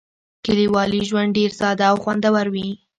کلیوالي ژوند ډېر ساده او خوندور وي.